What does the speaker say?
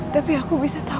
tapi aku bisa tau